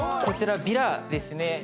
こちらヴィラですね